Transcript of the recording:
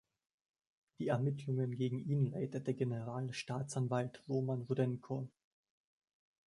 Die Ermittlungen gegen ihn leitete Generalstaatsanwalt Roman Rudenko.